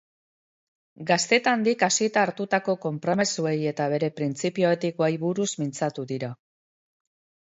Gaztetandik hasita hartutako konpromezuei eta bere printzipio etikoei buruz mintzatu dira.